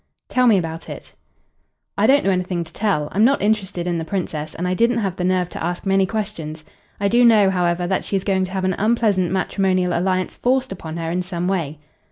"Tell me about it." "I don't know anything to tell. I'm not interested in the Princess, and I didn't have the nerve to ask many questions. I do know, however, that she is going to have an unpleasant matrimonial alliance forced upon her in some way."